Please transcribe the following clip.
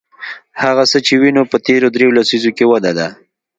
هغه څه چې وینو په تېرو درې لسیزو کې وده ده.